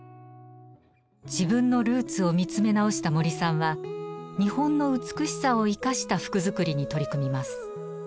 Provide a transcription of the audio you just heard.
自分のルーツを見つめ直した森さんは日本の美しさを生かした服作りに取り組みます。